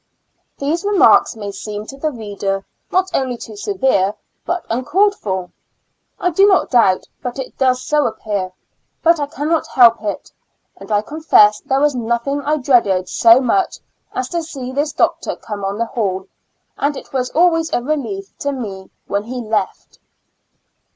These remarks may seem to the reader not only too severe but uncalled for. I do not doubt but it does so appear, but I cannot help it ; and I confess there was nothing I dreaded so much as to see this doctor come on the hall, and it was always a relief to me when he left.